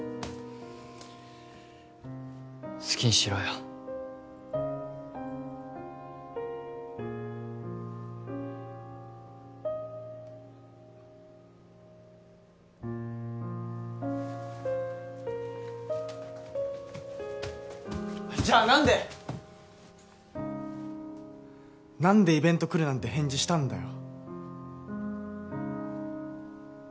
好きにしろよじゃあ何で何でイベント来るなんて返事したんだよ？